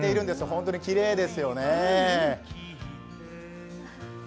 本当にきれいですよね。